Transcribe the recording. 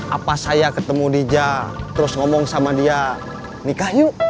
apa saya ketemu di ja terus ngomong sama dia nikah yuk